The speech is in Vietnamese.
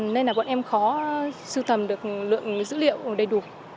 nên là bọn em khó sưu tầm được lượng dữ liệu đầy đủ